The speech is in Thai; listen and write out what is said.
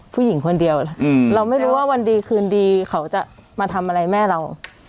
ผู้หญิงคนเดียวเราไม่รู้ว่าวันดีคืนดีเขาจะมาทำอะไรแม่เรา